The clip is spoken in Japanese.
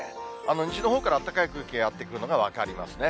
西のほうからあったかい空気がやって来るのが分かりますね。